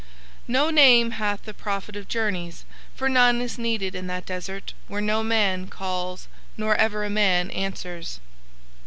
No name hath the Prophet of Journeys, for none is needed in that desert where no man calls nor ever a man answers.